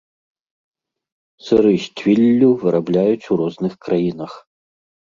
Сыры з цвіллю вырабляюць у розных краінах.